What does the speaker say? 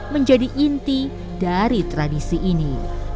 menjadi inti dari tradisi ini